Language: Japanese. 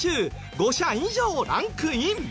５社以上ランクイン。